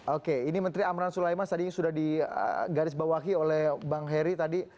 oke ini menteri amran sulaiman tadi sudah digarisbawahi oleh bang heri tadi